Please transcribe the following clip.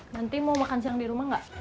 nanti mau makan siang di rumah nggak